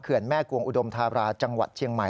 แม่กวงอุดมธาราจังหวัดเชียงใหม่